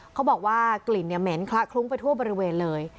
เขาบอกว่ากลิ่นเหม็นคละคลุ้งไปทั่วบริเวณเลย